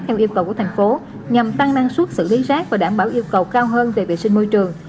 theo yêu cầu của thành phố nhằm tăng năng suất xử lý rác và đảm bảo yêu cầu cao hơn về vệ sinh môi trường